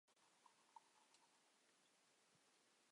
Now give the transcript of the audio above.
第伯是加利福尼亚大学戴维斯分校的一名教师。